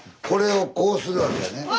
これをこうするわけやね。